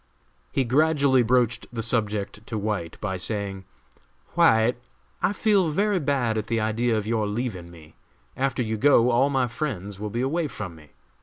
He gradually broached the subject to White by saying, "White, I feel very bad at the idea of your leaving me; after you go, all my friends will be away from me.